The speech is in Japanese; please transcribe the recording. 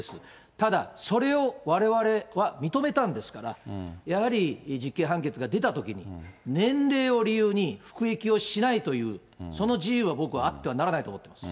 ただ、それをわれわれは認めたんですから、やはり実刑判決が出たときに、年齢を理由に服役をしないという、その自由は、僕はあってはならないと思ってます。